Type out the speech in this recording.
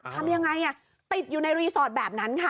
ทำยังไงติดอยู่ในรีสอร์ทแบบนั้นค่ะ